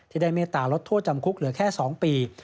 ได้เมตตาลดโทษจำคุกเหลือแค่๒ปี